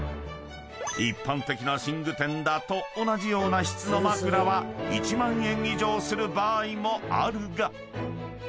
［一般的な寝具店だと同じような質の枕は１万円以上する場合もあるが］